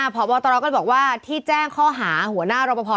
พบตรก็บอกว่าที่แจ้งข้อหาหัวหน้ารอปภ